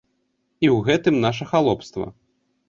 І ў гэтым наша халопства.